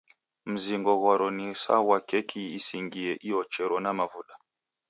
Mzingo ghwaro ni sa ghwa keki isingie iochero na mavuda.